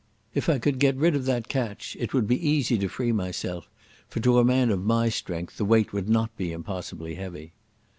If I could get rid of that catch it would be easy to free myself, for to a man of my strength the weight would not be impossibly heavy.